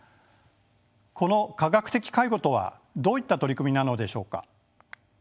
この科学的介護とはどういった取り組みなのでしょうか。